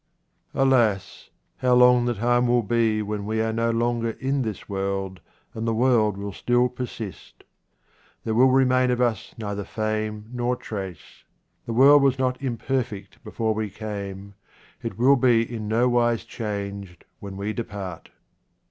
Alas ! how long the time will be when we are no longer in this world, and the world will still persist. There will remain of us neither fame nor trace. The world was not imperfect before we came ; it will be in no wise changed when we depart.